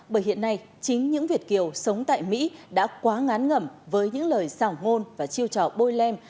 bởi hiện nay chính những việt kiều sống tại mỹ đã quá ngán ngẩm với những lời xảo ngôn và chiêu trò bôi lem